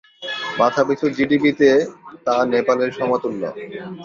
মাথাপিছু জিডিপি-তে তা নেপালের সমতুল্য।